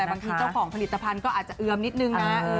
บางทีเจ้าของผลิตภัณฑ์ก็อาจจะเอือมนิดนึงนะ